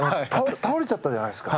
倒れちゃったじゃないですか。